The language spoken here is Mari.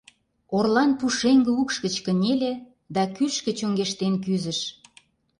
Орлан пушеҥге укш гыч кынеле да кӱшкӧ чоҥештен кӱзыш.